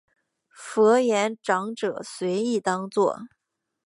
佛言长者随意当作。